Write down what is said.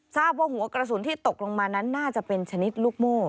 ทราบว่าหัวกระสุนที่ตกลงมานั้นน่าจะเป็นชนิดลูกโม่